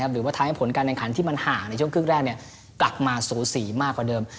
หรือว่าทำให้ผลการแข่งขันที่มันห่างในช่วงครึ่งแรกกลับมาสูสีมากกว่าเดิม